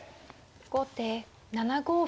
後手７五歩。